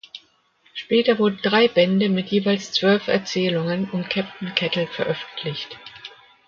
Später wurden drei Bände mit jeweils zwölf Erzählungen um Captain Kettle veröffentlicht.